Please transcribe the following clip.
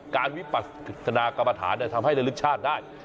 การวิปัสถนากรรมฐานก็ทำให้เริ่มรึกชาติได้